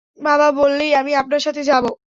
বাবা বললেই আমি আপনার সাথে যাব।